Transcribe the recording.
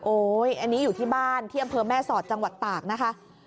อันนี้อยู่ที่บ้านที่อำเภอแม่สอดจังหวัดตากนะคะ